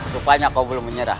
supaya kau belum menyerah